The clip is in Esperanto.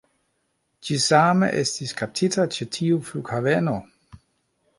Ĝi same estis kaptita ĉe tiu flughaveno